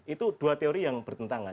itu dua teori yang bertentangan